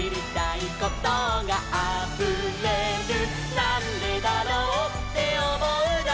「なんでだろうっておもうなら」